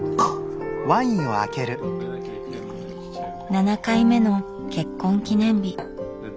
７回目の結婚記念日。